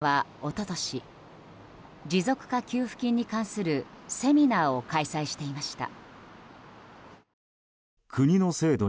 谷口容疑者は一昨年持続化給付金に関するセミナーを開催していました。